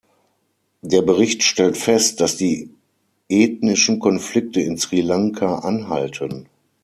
Der Bericht stellt fest, dass die ethnischen Konflikte in Sri Lanka anhalten.